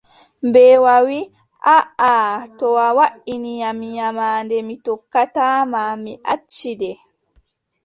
Mbeewa wii: aaʼa to a waʼini am, nyamaande mi tokkata ma, mi acci nde.